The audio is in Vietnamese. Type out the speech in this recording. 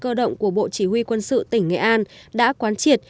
cơ động của bộ chỉ huy quân sự tỉnh nghệ an đã quán triệt